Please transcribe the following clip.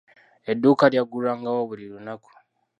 Edduuka lyagulwangawo buli lunaku.